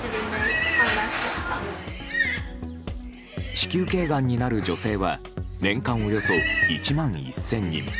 子宮頸がんになる女性は年間およそ１万１０００人。